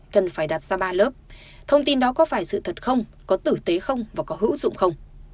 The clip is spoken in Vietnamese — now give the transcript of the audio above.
cần phải đặt ra ba lớp thông tin đó có phải sự thật không có tử tế không và có hữu dụng không